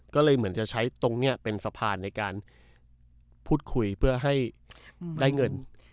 ก็เลยเหมือนจะใช้ตรงนี้เป็นสะพานในการพูดคุยเพื่อให้ได้เงิน